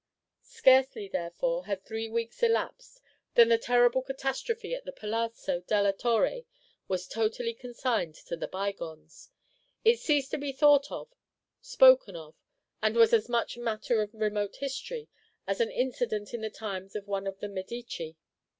Scarcely, therefore, had three weeks elapsed, than the terrible catastrophe at the Palazzo della Torre was totally consigned to the bygones; it ceased to be thought or spoken of, and was as much matter of remote history as an incident in the times of one of the Medici.